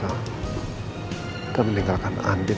aku sudah pernah mengingatkan andin